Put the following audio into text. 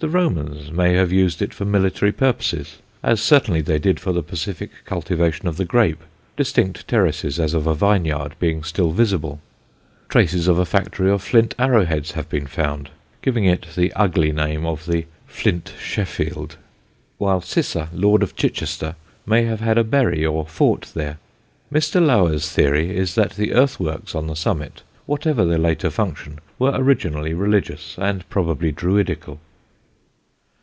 The Romans may have used it for military purposes, as certainly they did for the pacific cultivation of the grape, distinct terraces as of a vineyard being still visible; traces of a factory of flint arrow heads have been found (giving it the ugly name of the "Flint Sheffield"); while Cissa, lord of Chichester, may have had a bury or fort there. Mr. Lower's theory is that the earthworks on the summit, whatever their later function, were originally religious, and probably druidical.